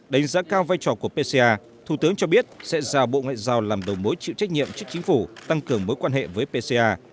đánh giá cao vai trò của pca thủ tướng cho biết sẽ giao bộ ngoại giao làm đầu mối chịu trách nhiệm trước chính phủ tăng cường mối quan hệ với pca